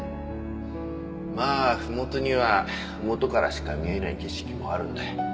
まあふもとにはふもとからしか見えない景色もあるんだ。